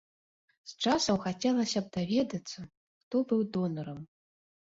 З часам хацелася б даведацца, хто быў донарам.